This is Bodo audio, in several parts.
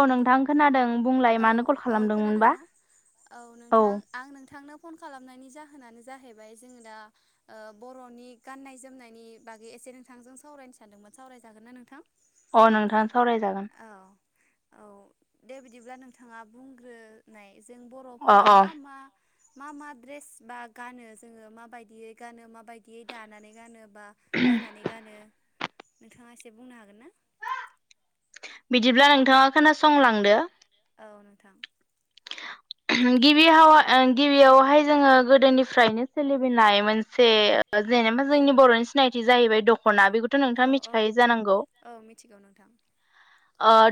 औ नोंथां खोनादों बुंलाय औ मानो कल औ खालामदोंमोनबा खोनादोंना? औ नोंथां आं नोंथांनो फन खालामनायनि जाहोनानो जाहैबाय जोङो दा ओ बर'नि गाननाय जोमनायनि बागै एसे नोंथांजों सावरायनो सानदोंमोन सावरायजागोन ना नोंथां? अ नोंथां सावरायजागोन। औ औ दे बिदिब्ला नोंथाङा बुंग्रोनाय जों अ बर'फोरा अ मा मा मा मा ड्रेस बा गानो? जोङो माबायदियै गानो माबायदियै दानानै गानो। बा बायनानै गानो नोंथाङा एसे बुंनो हागोन ना? बिदिब्ला नोंथाङा खोनासंलांदो औ नोंथां। गिबिहाव‌ गिबियावहाय जोङो गोदोनिफ्रायनो सोलिबोनाय मोनसे ओ जेनेबा जोंनि बर'नि सिनायथि जाहैबाय दख' ख'ना बेखौथ' नोंथाङा मिथिखायो जानांगौ। ओ औ मिथिगौ नोंथां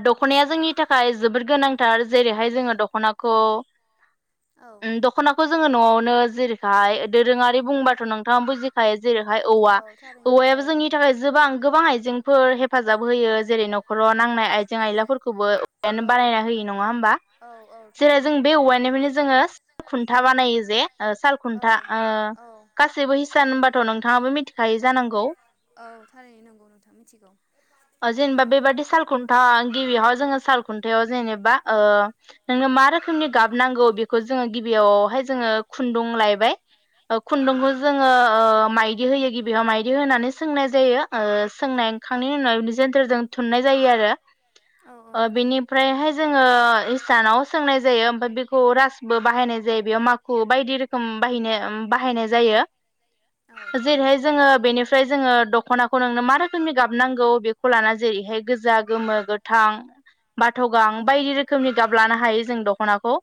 दख'नाया जोंनि थाखाय जोबोद गोनांथार जेरैहाय जोङो दख'नाखौ खौ ओ औ दखनाखौ जों जोङो न'आवनो जेरैहाय दोरोङारि बुंबाथ' नोंथाङा बुजिखायो जेरैहाय औवा औवायाबो औ जोंनि थाखाय जोबां गोबां आइजेंफोर हेफाजाब होयो जेरै न'खराव नांनाय आइजें आयलाफोरखौबो औवायानो बानायना होयो नङा होमबा? औ औ औ जेरै जों थारैनो बे औवाइनिफ्रायनो जोङो खुन्था बानायो जे ओ सालखुन्था ओ गासैबो हिसान होनबाथ' नोंथाङाबो मिथिखायो जानांगौ? औ थारैनो नंगौ नोंथां मिथिगौ ओ जेनेबा औ बेबादि सालखुन्था गिबियावहा जोङो साल खुन्थायाव जेनेबा ओ नोंनो मा रोखोमनि गाब नांगौ बेखौ जोङो गिबियावहाय जोङो खुन्दुं लायबाय ओ औ खुन्दुंखौ जोङो ओ माइदि होयो गिबियाव माइदि होनानै सोंनाय जायो ओ सोंनाय खांनायनि उनाव बि जोन्थोरजों थुननाय जायो आरो औ ओ नंगौ बेनिफ्रायहाय जोङो इसानाव सोंनाय जायो ओमफ्राय बेखौ रासबो बाहायनाय जायो बेयाव माखु बायदि रोखोम बाहायनाय बाहायनाय जायो औ जेरैहाय थारैनो जोङो बेनि ओमफ्राय जोङो दखनाखौ नोंनो मा रोखोमनि गाबनांगौ बेखौ लाना जेरैहाय गोजा गोमो गोथां बाथगां औ बायदि रोखोमनि औ गाब लानो हायो जो जों दखनाखौ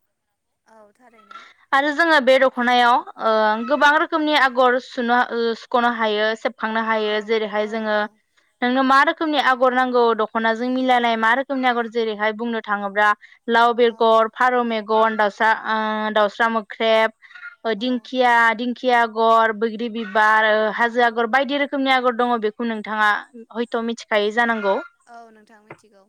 औ थारैनो आरो जोङो बे दखनायाव ओ गोबां रोखोम रोखोमनि आगर सुनो ओ सुखनो हायो सेब खांनो औ हायो औ जेरैहाय जोङो नोंनो मा रोखो रोखोमनि आगर नांगौ दखनाजों मिलायनाय मा रोखोमनि आगर जेरैहाय बुंनो थाङोब्ला लाव बेग‌ औ सा ओ दाउस्रा मोख्रेब ओ औ दिंखिया दिंखिया गर बैग्रि बिबार हाजो आगर बायदि रोखोमनि आगर दङ बेखौ नोंथाङा हयथ मिथिखायो जानांगौ औ नोंथां मिथिगौ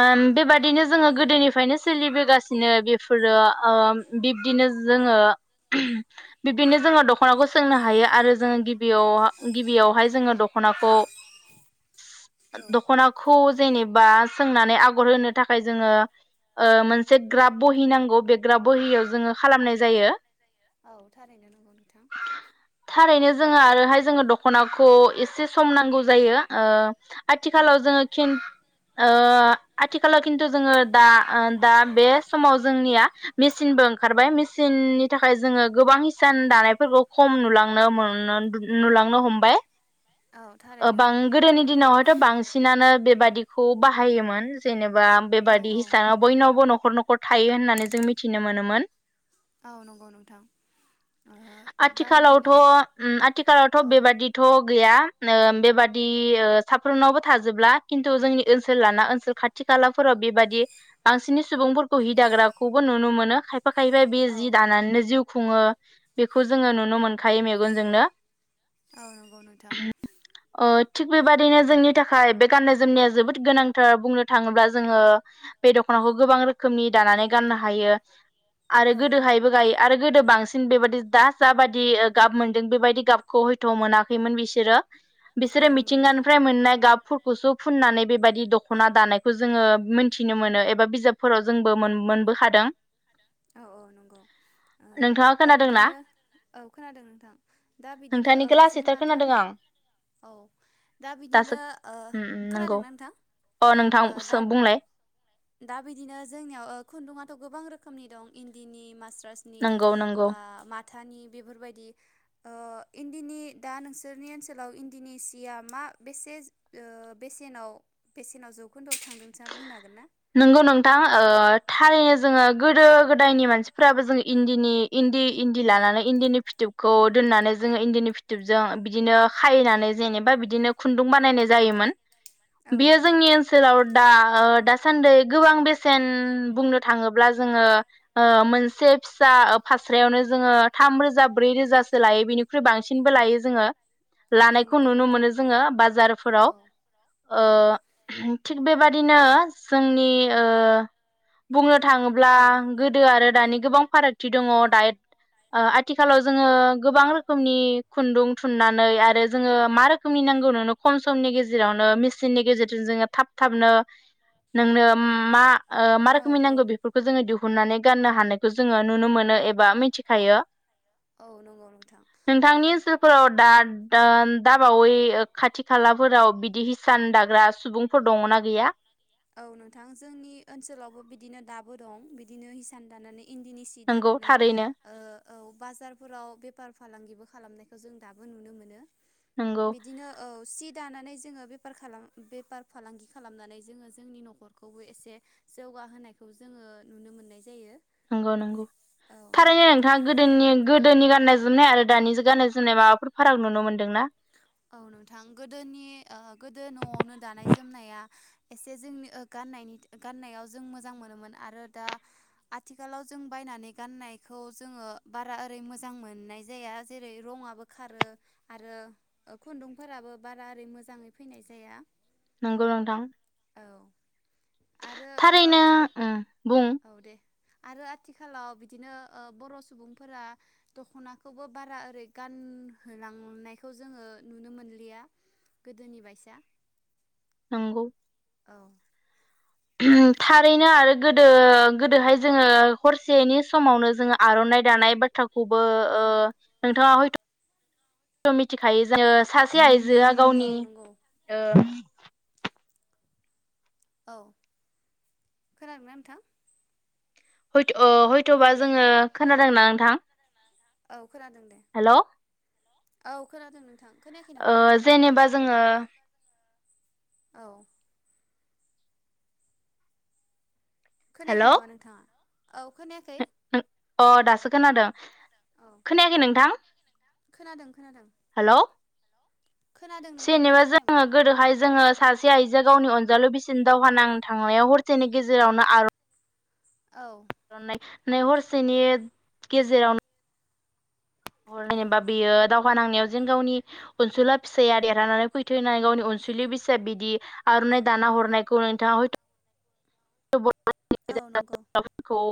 ओम बेबादिनो जोङो गोदोनि फ्राइनो सो सोलिबोगासिनो बेफोरो ओ बिब्दिनो जोङो बिब्दिनो जोङो दखनाखौ सोंनो हायो आरो जोङो गिबियाव गिबियावहाय जोङो दखनाखौ ओ दखनाखौ जेनेबा सोंनानै आगर होनो थाखाय जोङो ओ मोनसे ग्राब बहि नांगौ बे ग्राब बहियाव जोङो खालामनाय जायो औ थारैनो नोंगौ नोंथां थारैनो जोङो आरोहाय जोङो दखनाखौ एसे सम नांगौ जायो ओ औ आथिखालाव जोङो खिन ओ आथिखालाव खिन्थु जोङो दा ओ दा बे समाव जोंनिया मेसिनबो ओंखारबाय मेसिननि थाखाय जोङो गोबां हिसान दानायफोरखौ खम नुलांनो मोनो नुलांनो हमबाय औ ओ थारैनो बां गोदोनि दिनावहायथ बांसिनानो बेब बादिखौ बाहायोमोन जेने बा औ बेबादि औ हि बयनावबो नखर नखर थायो होननानै जों मिथिनो मोनोमोन औ नंगौ नोंथां ओ दा आथिखालावथ बिदिनो ओम आथिखालावथ औ बेबादिथ गैया ओ बेबादि ओ साफ्रोमनावबो थाजोबला खिन्थु जोंनि ओनसोल लाना ओनसोल खाथि खालाफोराव बेबायदि बांसिननि सुबुंफोरखौ हिदाग्राखौबो नुनो मोनो खायफा खायफा-खाहैबाय बे औ जि दानानैनो जिउ खुङो बेखौ जोङो नुनो मोनखायो मेगनजोंनो औ नंगौ नोंथां ओ थिग बेबादिनो जोंनि थाखाय बे गाननाय जोमनाया जोबोद गोनांथार बुंनो थाङोब्ला जोङो बे दख'नाखौ गोबां रोखोमनि दानानै गाननो हायो। आरो औ गोदोहायबो गायो आरो गोदो बां सिन बेबायदि दास जाबादि गाब मोनदों बेबायदि गाबखौ हयथ' मोनाखैमोन बि बोरों औ बिसोरो नंगौ नोंथां मिथिंगानिफ्राय मोननाय गाब खौसो फुननानै बेबायदि दख'ना दानायखौ जोङो मोनथि थिनो मोनो एबा बिजाबफोराव जोंबो मोनबोखादों। औ औ नंगौ ओ नोंथाङा दा खोनादोंना बिदिनो औ खोनादों नोंथां दा बिदिनो नोंथांनिखौ लासैथार जोंनाथ' खोनादों आं औ दा दासो बिदिनो उम उम नंगौ खोनादोंना नोंथां अ नोंथां बुंलाय दा दा बिदिनो जोंनियाव ओ खुन्दुङाथ' गोबां रो खोमनि दं इन्दिनि, मास रासनि नंगौ नंगौ बा माथानि बेफोरबायदि ओ इन्दिनि दा नोंसोरनि ओनसोलाव इन्दिनि सिया मा बेसे ओ बेसेनाव बेसेनाव जौखोन्दोआव थांदों नोंना बुंनो हागोन ना? नंगौ नोंथां ओ थारैनो जोङो गोदो गोदायनि मानसिफोराबो जोङो इन्दिनि इन्दि इन्दि औ लानानै इन्दिनि फिथोबखौ दोननानै जोङो इन्दिनि फिथोबजों बिदिनो खायैनानै जेनेबा बिदिनो खुन्दुं बानायनाय जायोमोन। औ बेयो नंगौ जोंनि ओनसोलाव दा ओ दा सान सान्दै गोबां बेसेन बुंनो थाङोब्ला जोङो ओ मोनसे फिसा फास्रायावनो जोङो थाम रोजा ब्रै रोजासो लायो बेनिख्रुइ बांसिनबो लायो जोङो औ लानायखौ नंगौ नुनो नोंथां मोनो जोङो औ बाजारफोराव। ओ औ थिग बेबादिनो जोंनि ओ बुंनो थाङोब्ला गोदो आरो दानि गोबां फारागथि दङ दायो ओ आथिखालाव जोङो गोबां रोखोमनि खुन्दुं थुननानै आरो जोङो मा रोखोमनि नांगौ नोंनो खम समनि गेजेरावनो मेसिननि गेजेरजों जोङो थाब थाबनो नोंनो मा ओ मा औ रोखोमै औ नांगौ बेफोरखौ जो दिहुन हुननानै गाननो हानायखौ जोङो नुनो मोनो एबा मिथिखायो औ नंगौ नोंथां दा-दाबावै खाथि खालाफोराव बिदि हिसान दाग्रा सुबुंफोर दङनाा गैया? औ नोंथां जोंनि ओनसोलावबो बिदिनो दाबो दं बिदिनो हिसान दानानै इन्दिनि सि नंगौ दानानै थारैनो ओ औ बाजारफोराव बेफार फालांगिबो खालामनायखौ जों दाबो नुनो मोनो। नंगौ बिदिनो औ सित दानानै जोङो बेफार बेफार फालांगि खालामनानै जोङो जोंनि न'खरखौबो एसे जौगाहोनायखौ जोङो नुनो मोननाय जायो। नंगौ नंगौ औ नंगौ थारैनो नोंथां नोंथाङा गोदोनि गोदोनि गाननाय जोमनाय आरो दानि जुगानाय जोमनाय माबाफोर फाराग नुनो मोन्दोंना? औ नोंथां गोदोनि ओ गोदो न'आवनो दानाय जोमनाया एसे जोंनि ओ गाननायनि गाननायाव जों मोजां मोनोमोन आरो दा आथिखालाव जों बायनानै गाननायखौ जोङो बारा ओरै मोजां मोननाय जाया जेरै रंआबो खारो आरो खुन्दुंफोराबो बारा ओरै मोजाङै फैनाय जाया नंगौ नोंथां औ आरो ओ थारैनो आथिखाल उम बुं औ दे आरो आथिखालाव बिदिनो बर' सुबुंफोरा दखनाखौबो बारा ओरै गानहोलांनायखौ जोङो नुनो मोनलिया गोदोनि बायसा नंगौ औ उम थारैनो आरो गोदो गोदोहाय जोङो हरसेैनि समावनो जोङो आर'नाइ दानाय बाथ्राखौ खौबो ओ औ नोंथाङा हयथ' [inaudible] मिथिखायो जायो सा एसे आइजोआ औ गावनि नंगौ औ खोनादोंना नोंथां? हयथ' अ हयथ'बा हेल' जोङो खोनादोंना नोंथां? औ खोनादों दे हेल' ओ औ खोनादों नोंथां खोनायाखै नामा? जेनेबा जोङो औ हेल' खोनायाखै नामा नोंथाङा? औ खोनायाखै अ दासो खोनादों। औ खोनायाखै नोंथां खोनादों खोनादों हेल' खोनादों नोंथां जनिबा खोनायाखै नामा जोङो गोदोहाय जोङो सासे सासे आइजोआ गावनि अनजालु बिसिन दावहा नां थांनायाव हरसेनि गेजेरावनो आर औ [unintelligible] नाय हरसेनि गेजेरावनो जेनेबा बेयो दावहा नांनायाव जेन गावनि अनसुला फिसाया देरहानानै फैथो होननानै गावनि अनसुलि बिसाया बिदि आर'नाइ दाना हरनायखौ नोंथाङा हयथ' [unintelligible] औ नंगौ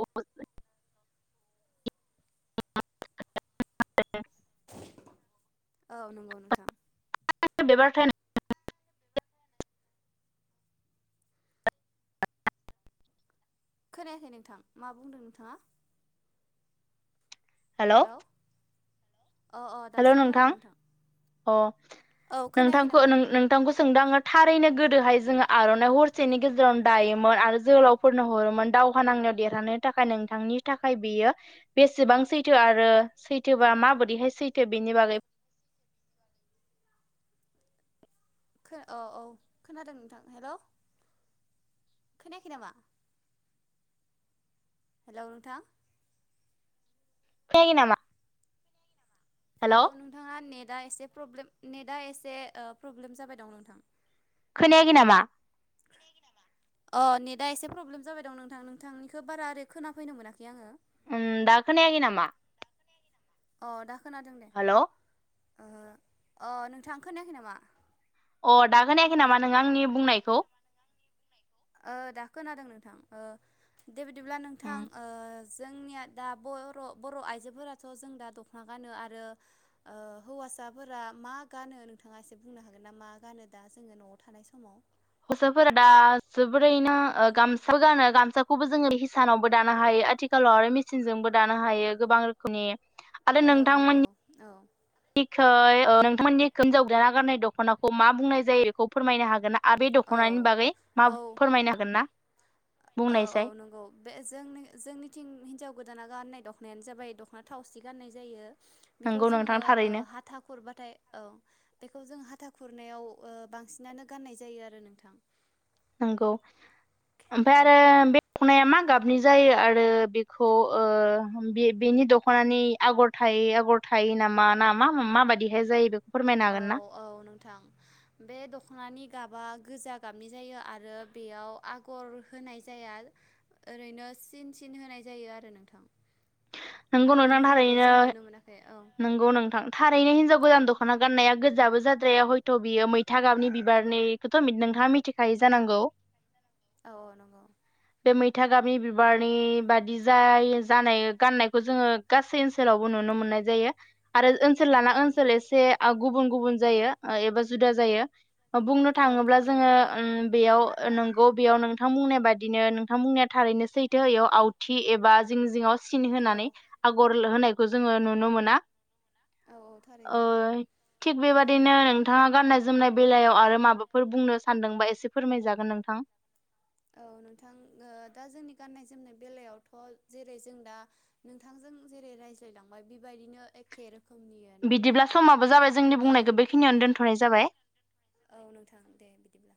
[unintelligible] औ नंगौ नोंथां [unintelligible] खोनायाखै नोंथां मा बुंदों नोंथाङा? हेल' अ अ दासो खोनादों नोंथां। अ औ खोनायाखै नोंथांखौ नामा नोंथांखौ सोंदाङो थारैनो गोदोहाय जोङो आर'नाइ हरसेनि गेजेरावनो दायोमोन आरो जोहोलावफोरनो हरोमोन दावहा नांनायाव देरहानो थाखाय नोंथांनि थाखाय बेयो बेसेबां सैथो आरो सैथोबा माबोरैहाय सैथो बेनि बागै औ औ खोनादों नोंथां हेलौ खोनायाखै नामा? हेलौ नोंथां खोनायाखै नामा? औ हेलौ नोंथाङा नेटआ एसे प्रब्लेम नेटआ एसे प्रब्लेम जाबाय दं नोंथां। खोनायाखै नामा? अ नेटआ एसे प्रब्लेम जाबाय दं नोंथां। नोंथांनिखौ बारा ओरै खोनाफैनो मोनाखै आङो। उम दा खोनायाखै नामा? अ दा खोनादों दे। हेलौ ओहो अ नोंथाङा खोनायाखै नामा? अ दा खोनायाखै नामा नों आंनि बुंनायखौ? ओ दा खोनादों नोंथां ओ दे बिदिब्ला नोंथां उम ओ जोंनिया दा बर' बर' आइजोफोराथ' जों दा दख'ना गानो आरो ओ हौवासाफोरा मा गानो नोंथाङा एसे बुंनो हागोन नामा गानो दा जोङो न'आव थानाय समाव? हौवासाफोरा दा जोबोरैनो गामसा गानो गामसाखौबो जोङो हिसानावबो दानो हायो आथिखालाव आरो मेसिनजोंबो दानो हायो गोबां रोखोमनि औ नंगौ औ खै ओ नोंथांमोननि खै हिन्जाव गोदाना गाननाय दख'नाखौ मा बुंनाय जायो बेखौ फोरमायनो हागोन ना। आ बे दख'नानि बागै औ मा औ फोरमायनो हागोन ना? औ औ बुंनायसाय नंगौ बे जोंनि जोंनिथिं हिनजाव गोदान दाना गाननाय दख'नायानो जाबाय दख'ना थावसि गाननाय जायो। बेखौ नंगौ जोङो नोंथां ओ थारैनो हाथा खुरबाथाय औ बेखौ जों हा था खुरनायाव ओ बांसिनानो गाननाय जायो आरो नोंथां। नंगौ ओमफ्राय औ आरो बे दख'नाया मा गाबनि जायो आरो बेखौ ओ बे-बेनि दख'नानि आगर थायै आगर थायो नामा ना मा माबायदिहाय जायो बेखौ फोरमायनो हागोन ना औ औ नोंथां बे दख'नानि गाबा गोजा गाबनि जायो आरो बेयाव आगर होनाय जाया ओरैनो सिन सिन होनाय जायो आरो नोंथां। नोंगौ आगर नोंथां होनायखौ थारैनो जों नुनो मोनाखै औ नोंगौ नोंथां थारैनो हिनजाव गोदान दख'ना गाननाया गोजाबो जाद्राया हयथ' बियो मैथा गाबनि बिबारनिखौथ' नोंथाङा मिथिखायो जानांगौ। औ नंगौ बे मैथा गाबनि बिबारनि बादि जायो जानाय गाननाय खौ जोङो गासै ओनसोलावबो नुनो मोननाय जायो। आरो ओ नसोल लाना औ ओनसोल नंगौ एसे ओ गुबुन गुबुन जायो एबा जुदा जायो। बुंनो औ थाङोब्ला थारैनो। जोङो ओम बेयाव नंगौ बेयाव नोंथां बुंनाय बादिनो नोंथां बुंनाया थारैनो सैथो इयाव आवथि एबा जिं जिङाव सिन होनानै औ आगर लोहोनायखौ जोङो नुनो मोना, औ थारैनो ओ नंगौ थिग बे ओ बादिनो नोंथाङा गाननाय जोमनाय बेलायाव, आरो माबाफोर बुंनो सानदोंबा एसे फोरमायजागोन नोंथां, औ नोंथां ओ दा जोंनि गाननाय जोमनाय बेलायावथ' जेरै जों दा नोंथांजों जेरै रायज्लायलांबाय बे बायदिनो एखे रोखोमनियानो बिदिब्ला समाबो जाबाय जोंनि औ बुंनायखौ बेखिनियावनो दोनथ'नाय जाबाय, औ नोंथां दे बिदिब्ला।